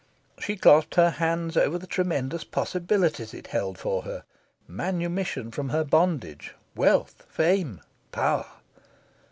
She clasped her hands over the tremendous possibilities it held for her manumission from her bondage, wealth, fame, power.